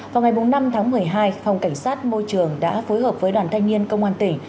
vào ngày năm tháng một mươi hai phòng cảnh sát môi trường đã phối hợp với đoàn thanh niên công an tỉnh